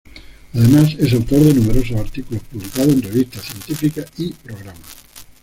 Además es autor de numerosos artículos publicados en revistas científicas y programas.